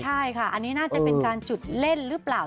ใช่ค่ะอันนี้น่าจะเป็นการจุดเล่นหรือเปล่า